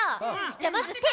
じゃあまずて。